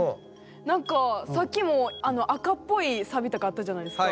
何かさっきも赤っぽいサビとかあったじゃないですか。